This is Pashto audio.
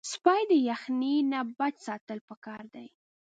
سپي د یخنۍ نه بچ ساتل پکار دي.